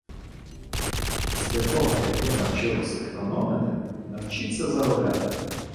Після того, як ви навчились економити, навчіться заробляти.